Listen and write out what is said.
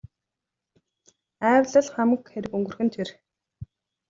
Айвал л хамаг хэрэг өнгөрөх нь тэр.